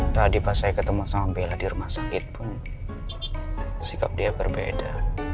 tadi pas saya ketemu sama bella di rumah sakit pun sikap dia berbeda